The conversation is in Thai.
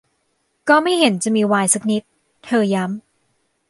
'ก็ไม่เห็นจะมีไวน์สักนิด' เธอย้ำ